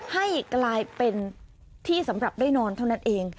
ให้กลายเป็นที่สำหรับได้นอนเท่านั้นเอง